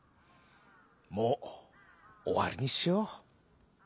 もうおわりにしよう」。